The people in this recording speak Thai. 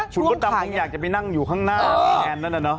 คุณมดดำคงอยากจะไปนั่งอยู่ข้างหน้าแทนนั่นน่ะเนอ